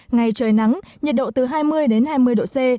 ngày trời nắng nhiệt độ từ hai mươi hai mươi độ c